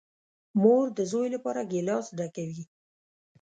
مور ده زوی لپاره گیلاس ډکوي .